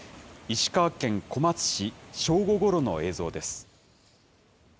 石川県小松市、正午ごろの映像です。